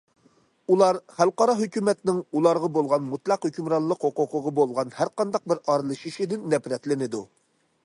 ئۇلار خەلقئارا ھۆكۈمەتنىڭ ئۇلارغا بولغان مۇتلەق ھۆكۈمرانلىق ھوقۇقىغا بولغان ھەرقانداق بىر ئارىلىشىشىدىن نەپرەتلىنىدۇ.